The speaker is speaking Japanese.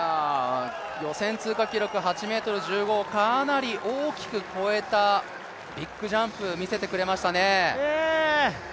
予選通過記録８ｍ１５をかなり大きく越えたビッグジャンプ、見せてくれましたね。